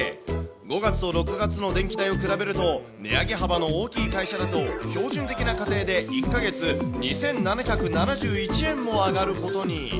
５月と６月の電気代を比べると、値上げ幅の大きい会社だと、標準的な家庭で１か月２７７１円も上がることに。